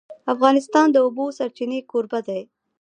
افغانستان د د اوبو سرچینې کوربه دی.